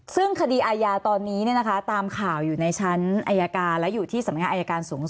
ซึ่งคดีอาญาตอนนี้ตามข่าวอยู่ในชั้นอายการและอยู่ที่สำนักงานอายการสูงสุด